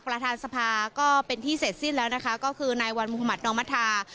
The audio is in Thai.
ประธานสภาก็เป็นที่เสร็จสิ้นแล้วนะคะก็คือนายวันมุธมัธนอมธา